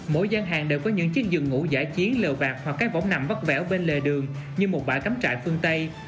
mỗi gian hàng đều có những chiếc giường ngủ giả chiến lều vạt hoặc cái vỏng nằm vắt vẻo bên lề đường như một bãi cắm trại phương tây